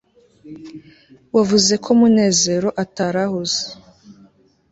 wavuze ko munezero atari ahuze